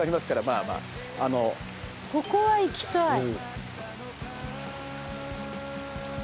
「ここは行きたい！」